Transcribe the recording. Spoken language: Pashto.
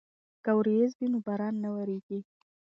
که وریځ وي نو باران نه وریږي.